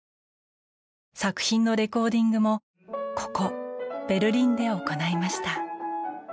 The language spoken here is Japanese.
作品のレコーディングもここ、ベルリンで行いました。